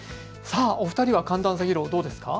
お二人は寒暖差疲労、どうですか。